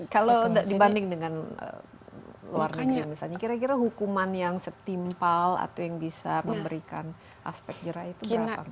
kalau dibanding dengan luar negeri misalnya kira kira hukuman yang setimpal atau yang bisa memberikan aspek jerah itu berapa